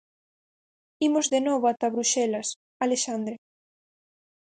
Imos de novo ata Bruxelas, Alexandre...